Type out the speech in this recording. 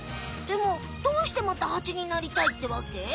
でもどうしてまたハチになりたいってわけ？